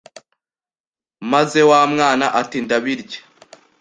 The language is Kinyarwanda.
maze wa mwana ati ndabirya